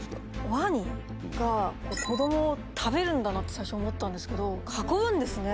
ワニが子供を食べるんだなって最初思ったんですけど囲うんですね。